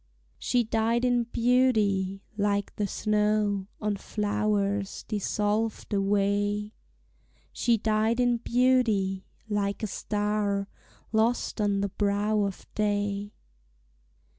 She died in beauty, like the snow On flowers dissolved away; She died in beauty, like a star Lost on the brow of day.